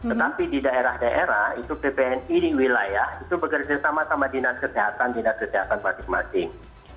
tetapi di daerah daerah itu bpni di wilayah itu bergerak sama sama dengan kesehatan dengan kesehatan masing masing